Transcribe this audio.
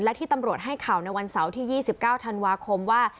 และที่ตำรวจให้ข่าวในวันเสาร์ที่๒๙ธันวาคมว่า